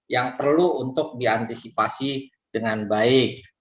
yang perlu untuk diantisipasi dengan baik